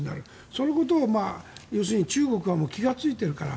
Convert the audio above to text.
そのことを要するに中国は気がついてるから。